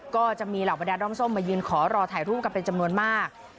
ก็จะมีหลักวัฒนาดร่อมส้มมายืนขอลอถ่ายรูปกันจะจำนวนมาก